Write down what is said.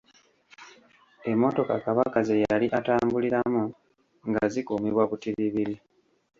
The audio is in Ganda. Emmotoka Kabaka ze yali atambuliramu nga zikuumibwa butiribiri.